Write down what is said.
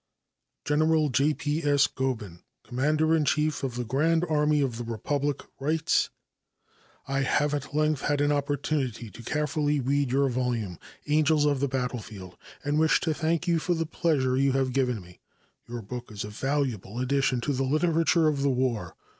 General J. P. S. Gobin, Commander in Chief of the Grand Army of the Republic, writes: "I have at length had an opportunity to carefully read your volume, "Angels of the Battlefield," and wish to thank you for the pleasure you have given me. Your book is a valuable addition to the literature of the War.